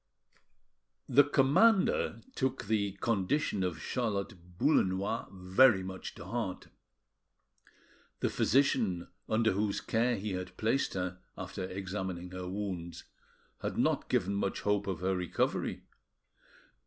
The commander took the condition of Charlotte Boullenois very much to heart. The physician under whose care he had placed her, after examining her wounds, had not given much hope of her recovery.